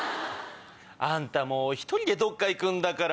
あんた１人でどっか行くんだから！